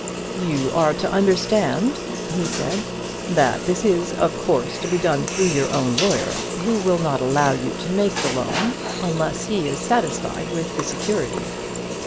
"You are to understand," he said, "that this is, of course, to be done through your own lawyer, who will not allow you to make the loan unless he is satisfied with the security.